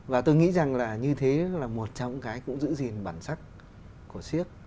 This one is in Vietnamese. và tôi nghĩ rằng là như thế là một trong những cái cũng giữ gìn bản sắc của siếc